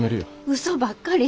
うそばっかり。